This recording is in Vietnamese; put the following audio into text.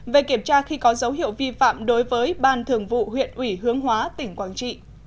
một về kiểm tra khi có dấu hiệu vi phạm đối với ban thường vụ huyện ủy hướng hóa tỉnh quảng trị